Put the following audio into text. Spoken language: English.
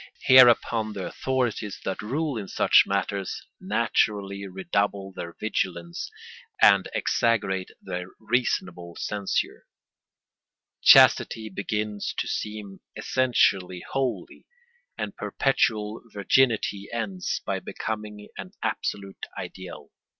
Hereupon the authorities that rule in such matters naturally redouble their vigilance and exaggerate their reasonable censure: chastity begins to seem essentially holy and perpetual virginity ends by becoming an absolute ideal.